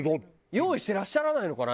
用意してらっしゃらないのかな？